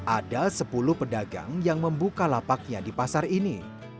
ada sepuluh pedagang yang membuka lapaknya di pasar ini